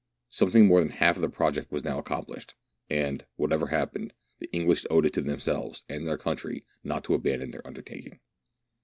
Something more than half of the project was now accom plished, and, whatever happened, the English owed itto them selves and their country not to abandon their undertaking.